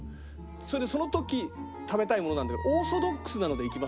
それでその時食べたいものなんだけどオーソドックスなのでいきます？